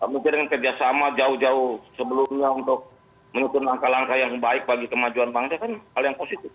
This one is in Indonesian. mungkin dengan kerjasama jauh jauh sebelumnya untuk menyusun langkah langkah yang baik bagi kemajuan bangsa kan hal yang positif